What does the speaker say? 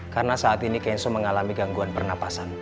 karena saat ini kenzo mengalami gangguan pernapasan